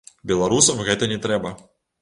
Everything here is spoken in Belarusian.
Беларусам гэта не трэба.